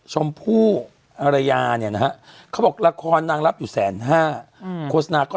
ชมผู้อะไรอย่างนี่น้ะเขาบอกละครนางรับอยู่๑๕๐๐๐๐๐บาท